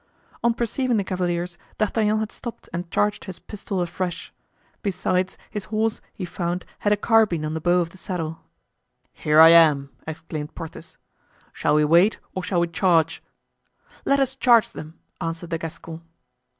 On perceiving the cavaliers, D'Artagnan had stopped and charged his pistol afresh; besides, his horse, he found, had a carbine on the bow of the saddle. "Here I am!" exclaimed Porthos. "Shall we wait, or shall we charge?" "Let us charge them," answered the Gascon.